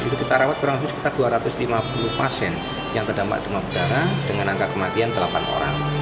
itu kita rawat kurang lebih sekitar dua ratus lima puluh pasien yang terdampak demam berdarah dengan angka kematian delapan orang